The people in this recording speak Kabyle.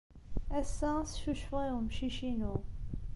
Ass-a, ad as-ccucfeɣ i umcic-inu.